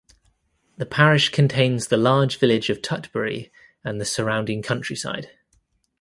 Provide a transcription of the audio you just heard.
The parish contains the large village of Tutbury and the surrounding countryside.